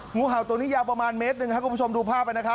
งูเห่าตัวนี้ยาวประมาณเมตรหนึ่งครับคุณผู้ชมดูภาพนะครับ